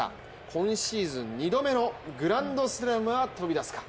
今シーズン２度目のグランドスラムが飛び出すか。